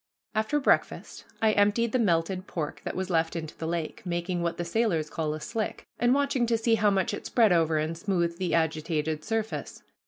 After breakfast I emptied the melted pork that was left into the lake, making what the sailors call a "slick," and watching to see how much it spread over and smoothed the agitated surface.